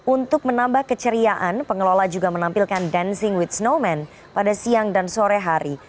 untuk menambah keceriaan pengelola juga menampilkan dancing with snow man pada siang dan sore hari